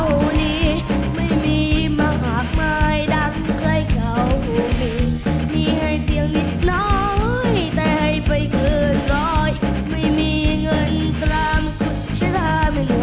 วันนี้เราก็ฟังเพลงตราบทุรีดินในเวอร์ชั่นของชาวรอง